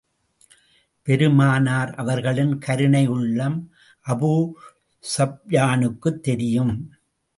பெருமானார் அவர்களின் கருணை உள்ளம் அபூ ஸுப்யானுக்குத் தெரியும்.